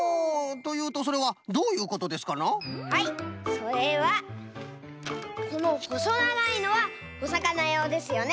それはこのほそながいのはおさかなようですよね。